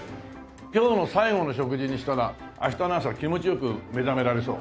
今日の最後の食事にしたら明日の朝気持ち良く目覚められそう。